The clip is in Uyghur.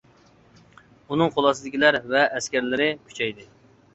ئۇنىڭ قول ئاستىدىكىلەر ۋە ئەسكەرلىرى كۈچەيدى.